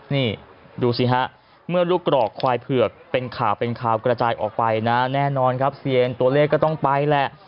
นี่ดูสิฮะเมื่อลูกกรอกควายเผือกเป็นข่าวเป็นข่าวกระจายออกไปนะแน่นอนครับเซียนตัวเลขก็ต้องไปแหละ